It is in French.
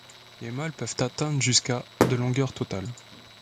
Les mâles peuvent atteindre jusqu'à de longueur totale.